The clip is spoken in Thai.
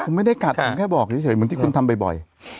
คุณไม่ได้กัดผมแค่บอกเฉยเหมือนที่คุณทำบ่อย